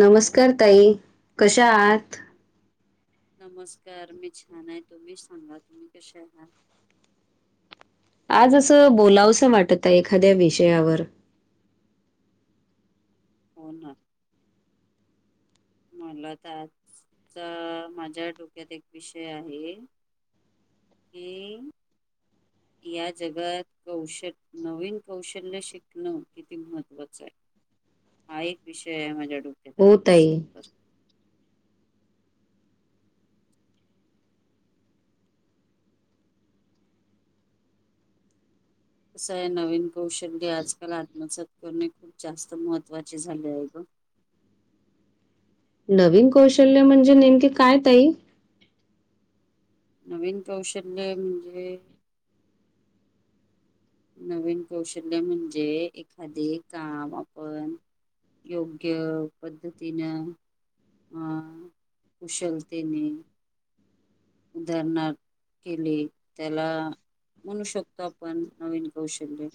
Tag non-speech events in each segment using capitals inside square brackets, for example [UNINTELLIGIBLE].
Hello ताई कशा आहात? नमस्कार मी छान ये, तुम्ही सांगा तुम्ही कसे आहा? आज असं बोलावसं वाटतय एखाद्या विषयावर. हो ना मलात आजचा माझ्या डोक्यात एक विषय आहे. की [INAUDIBLE] या जगात कौश नवीन कौशल्य शिकणं किती महत्त्वाचं आहे. हा एक विषय आहे माझ्या डो हो ताई असं आहे नवीन कौशल्य आजकाल आत्मसात करणे खूप जास्त महत्त्वाचे झाले आहे ग. नवीन कौशल्य म्हणजे नेमके काय ताई? नवीन कौशल्य म्हणजे. नवीन कौशल्य म्हणजे एखादे काम आपण योग्य पद्धतीनं अ कुशलतेने. धरनार. केले त्याला म्हणू शकतो आपण नवीन कौशल्य.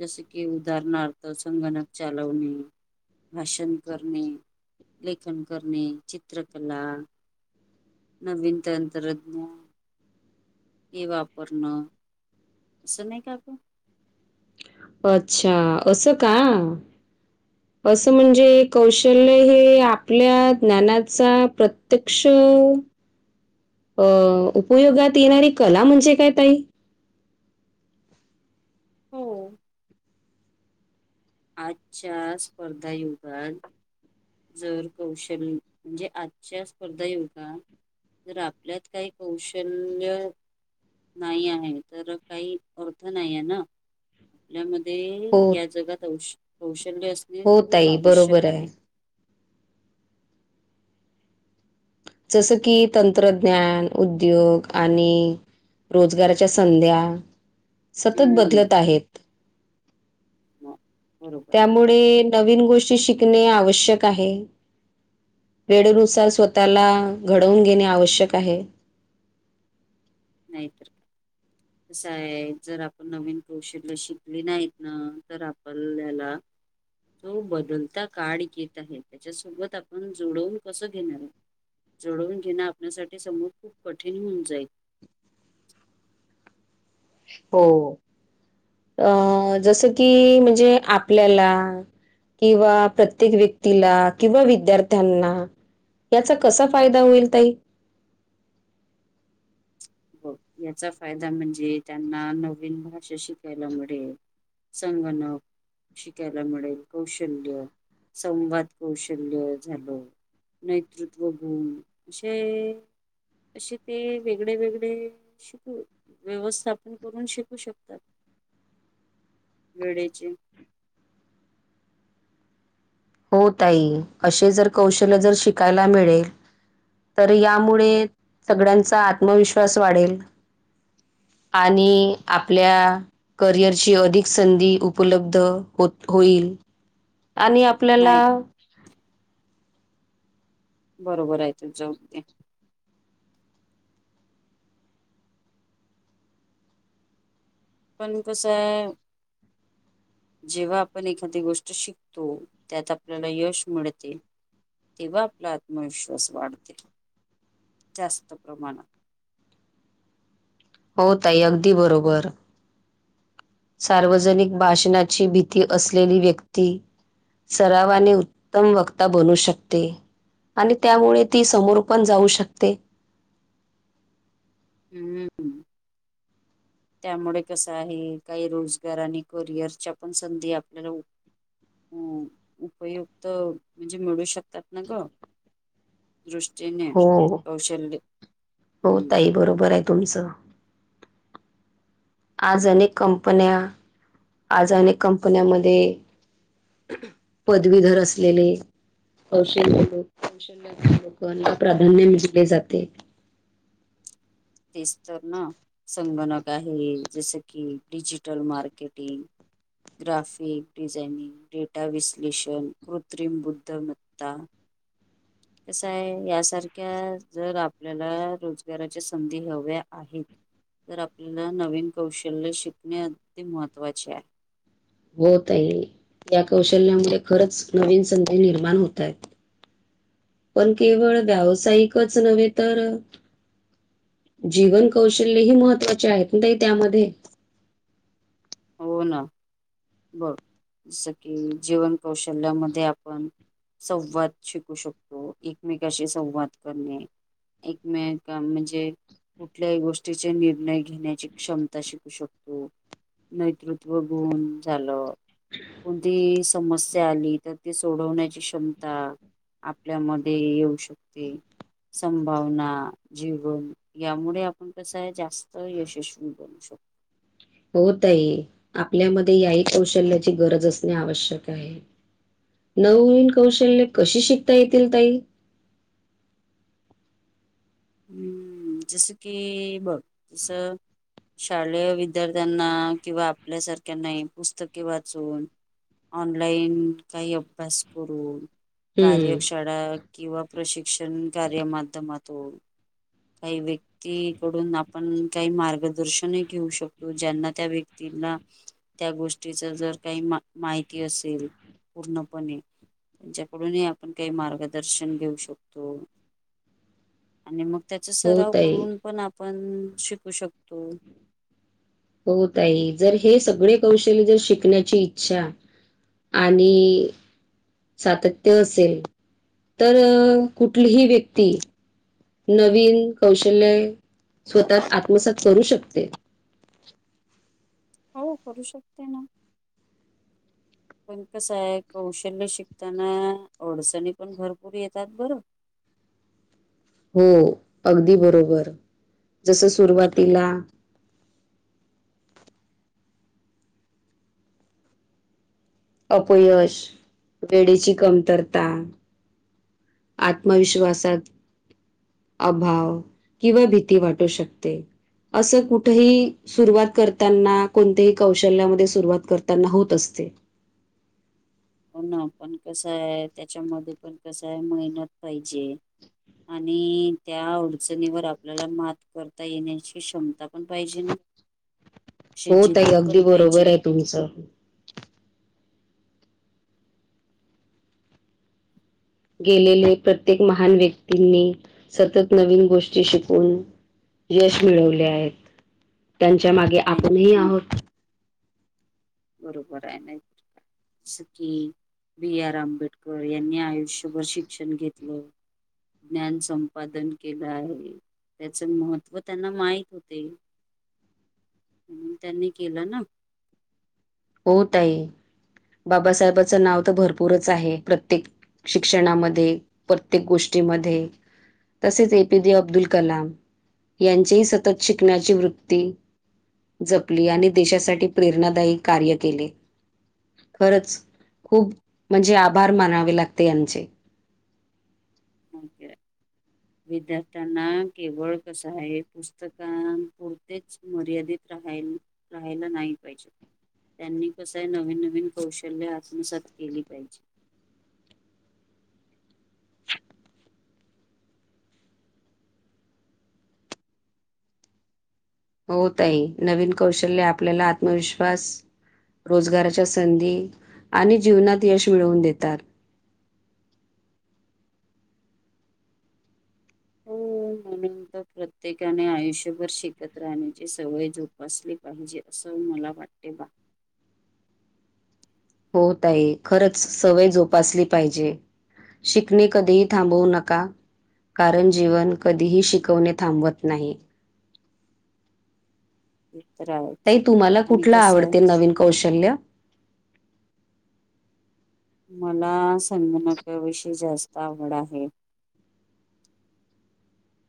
जस की उदाहरणार्थ संगणक चालवणे. भाषण करणे लेखन करणे चित्रकला. नवीन तंत्रज्ञान. ये वापरणं असं नाही का ग. अच्छा असं का असं म्हणजे कौशल्य हे आपल्या ज्ञानाचा प्रत्यक्ष अं.. उपयोगात येणारी कला, म्हणजे काय ताई? हम्म्. आजच्या स्पर्धायुगात जर कौशल्यं म्हणजे आजच्या स्पर्धायुगात जर आपल्यात, काही कौशल्यं नाही आहे, तर काही अर्थ नाही आहे ना आपल्यामध्ये हो, या जगात औश कौशल्य असणे, हो खूप ताई बरोबर आवश्यक आहे जसं की तंत्रज्ञान, उद्योग आणि रोजगाराच्या संध्या, सतत हम्म. बदलत आहेत. म बरोबर. आहे. त्यामुळे नवीन गोष्टी शिकणे, आवश्यक आहे. वेळेनुसार स्वतःला घडवून घेणे, आवश्यक आहे. नाहीतरं कसं आहे जर आपण, नवीन कौशल्यं शिकली नाहीत ना. तर आपल्याला जो बदलता का्ड येत आहे, त्याच्यासोबत आपण जुडवून कसं घेणारे. जडवून घेणं, आपण्यासाठी समोर खूप कठीण होऊन जाईल हो. अं.. जसं की म्हणजे आपल्याला किंवा प्रत्येक व्यक्तीला किंवा विद्यार्थ्यांना याचा कसा फायदा, होईल ताई? बघ याचा फायदा म्हणजे, त्यांना नवीन भाषा शिकायला मिळेल. संगणक शिकायला मिळेल. कौशल्य, संवाद कौशल्य झालं नेतृत्वं गुण असे, असे ते वेगडे-वेगडे ते शिकू, व्यवस्थापन करून शिकू शकतात. वेळेचे हो ताई, असे जर कौशल्यं जर शिकायला मिळेल तर यामुळे, सगळ्यांचा आत्मविश्वास वाढेल. आणि आपल्या करिअर ची अधिक संधी उपलब्ध होत होईल आणि आपल्याला नाही बरोबर आहे तुमचं, ते. पण कसं आहे जेव्हा आपण एखादी गोष्ट शिकतो, त्यात आपल्याला यश मिळते तेव्हा आपला आत्मविश्वास, वाढतील जास्त प्रमाणात. हो ताई, अगदी बरोबर. सार्वजनिक भाषणाची, भीती असलेली व्यक्ती सरावाने उत्तम वक्ता बनू शकते. आणि त्यामुळे ती समोर पण जाऊ शकते. हं. त्यामुळे कसं आहे, काही रोजगार आणि करिअरच्या पण संधी आपल्याला उप उ उपयुक्त म्हणजे मिळू शकतात ना गं. दृष्टीने हो. कौशल्यं, हो हं. ताई बरोबर आहे. तुमचं. आज अनेक कंपन्या, आज अनेक कंपन्यामध्ये पदवीधर असलेले कौशल्य लोक, कौशल्य [INAUDIBLE] लोकांना प्राधान्य दिले जाते. तेच तर ना. संगणक आहे, जसं की digital marketing, graphic, designing, data विश्लेषण, कृत्रिम बुद्धिमत्ता, कसं आहे यासारख्या जर आपल्याला रोजगाराच्या संधी हव्या आहेत, तर आपल्याला नवीन कौशल्य शिकणे अगदी महत्त्वाचे आहे. हो ताई. या कौशल्यामुळे खरंच नवीन संधी निर्माण होत आहेत. पण केवळ व्यावसायिकच नव्हे, तर जीवन कौशल्यं ही महत्त्वाचे आहेत ना ताई त्यामध्ये. हो ना. बघ, जसं कि जीवन कौशल्यांमध्ये आपण संवाद शिकू शकतो. एकमेकाशी संवाद करणे. एकमेका म्हणजे कुठल्याही गोष्टीचा निर्णय घेण्याची क्षमता शिकू शकतो. नेतृत्व गुण झालं, कोणती समस्या आली तर ते सोडवण्याची क्षमता, आपल्यामध्ये येऊ शकते. संभावना जीवण यामुळे आपण कसं आहे जास्त यशस्वी बनू शकतो. हो ताई. आपल्यामध्ये याही कौशल्याल्याची गरज असणे आवश्यक आहे. नववीन कौशल्य कशी शिकता येतील ताई? अं जसं की बघ, जसं शालेय विद्यार्थ्यांना किंवा आपल्यासारख्यांनाही पुस्तके वाचून ऑनलाईन काही अभ्यास करून, हं. कार्यशाळा किंवा प्रशिक्षण कार्यमाध्यमातून, काही वेग क्तीकडून आपण काही मार्गदर्शनही घेऊ शकतो. ज्यांना त्या व्यक्तींना त्या गोष्टीच जर काही माहिती असेल पूर्णपणे त्यांच्याकडूनही आपण काही मार्गदर्शन घेऊ शकतो. आणि मग त्याचा हो सराव ताई. करून पण आपण शिकू शकतो. हो ताई. जर हे सगळे कौशल्य जर शिकण्याची इच्छा आणि सातत्य असेल, तर कुठलीही व्यक्ती नवीन कौशल्य स्वतःत आत्मसात करू शकते. हो करू शकते ना. [INAUDIBLE] पण कसं आहे, कौशल्य शिकताना अडचणी पण भरपूर येतात बरं. हो, अगदी बरोबर जस सुरुवातीला अपयश वेळेची कमतरता आत्मविश्वासात अभाव किंवा भीती वाटू शकते. असं कुठेही सुरुवात करताना कोणत्याही कौशल्यामध्ये सुरुवात करताना होत असते. हो ना पण कसंये त्याच्यामध्ये पण कसंये मेहनत पाहिजे. आणि त्या अडचणीवर आपल्याला मात करता येण्याची क्षमता पण पाहिजे ना. अशी हो ताई जिद्द पण अगदी बरोबर पाहिजे आहे तुमचं. गेलेले प्रत्येक महान व्यक्तींनी सतत नवीन गोष्टी शिकून यश मिळवले आहेत, त्यांच्या मागे नाही आपणही आहोत. बरोबर आहे ना जसं की बी. आर. आंबेडकर यांनी आयुष्यभर शिक्षण घेतलं ज्ञान संपादन केलं आहे. त्याच महत्त्व त्यांना माहित होते. म्हणून त्यांनी केलं ना हो ताई बाबासाहेबाचं नाव तर भरपूरच आहे प्रत्येक शिक्षणामध्ये प्रत्येक गोष्टीमध्ये तसेच ए. पी. जे. अब्दुल कलाम यांचीही सतत शिकण्याची वृत्ती जपली आणि देशासाठी प्रेरणादायी कार्य केले. खरंच खूप म्हणजे आभार मानावे लागते यांचे ओके. [INAUDIBLE] विद्यार्थ्यांना केवळ कसं आहे, पुस्तकांन पुरतेच मर्यादित राहील. राहिल नाही पाहिजे. त्यांनी कसंय नवीन नवीन कौशल्य आत्मसात केली पाहिजे. हो ताई नवीन कौशल्य आपल्याला आत्मविश्वास रोजगाराच्या संधी आणि जीवनात यश मिळवून देतात. हो [INAUDIBLE] म्हणून तर प्रत्येकाने आयुष्यभर शिकत राहण्याची सवय जोपासली पाहिजे असं मला वाटते बा. हो ताई खरंच सवय जोपासली पाहिजे. शिकणे कधीही थांबवू नका कारण जीवन कधीही शिकवने थांबवत नाही. [UNINTELLIGIBLE] ताई तुम्हाला आणि कुठला कसं आवडते आहे नवीन कौशल्य? मला संगणकाविषयी जास्त आवड आहे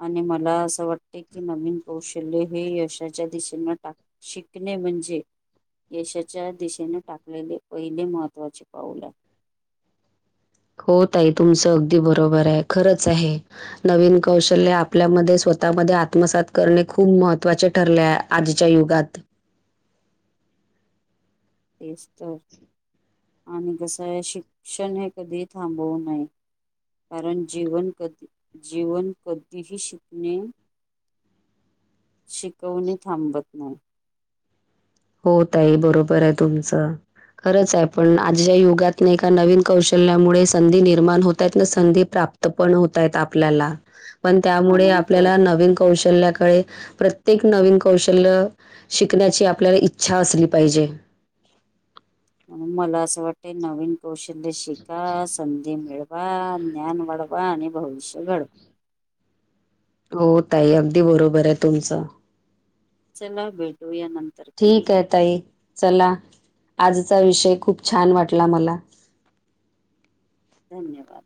आणि मला असं वाटते की नवीन कौशल्य हे यशाच्या दिशेनं टाक शिकणे म्हणजे यशाच्या दिशेने टाकलेले पहिले महत्त्वाचे पाऊल आहे. हो ताई तुमचं अगदी बरोबर आहे खरंच आहे. नवीन कौशल्य आपल्यामध्ये स्वतःमध्ये आत्मसात करणे खूप महत्त्वाचे ठरले आ आजच्या युगात तेच तर आणि कसये शिक्षण हे कधी थांबवू नाहीये. कारण जीवन कध जीवन कधीही शिकणे. शिकवणी थांबत नाही हो ताई, बरोबर ये, तुमचं. खरंच आहे, पण आजच्या युगात नैका, नवीन कौशल्यामुळे, संधी निर्माण होतय, ना संधी प्राप् त, पण होतायत आपल्या, पण त्यामुळे म्हणून तर आपल्या नवीण कौशल्याकडे, प्रत्येक नवीन कौशल्य, शिकण्याची आपल्याला इ च्छा असली पाहिजे. म मला असं वाटतं, नवीन कौशल्य शिका, संधी मिळत आ ज्ञान वाढवा आणि भविष्य घडवा. हो ताई, अगदी बरोबर ये तुमचं? चला बेटूया नंत ठीक य ताई, चला, आजचा विषय, खूप छान वाटला, मला. धन्यवाद.